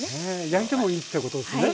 焼いてもいいってことですね？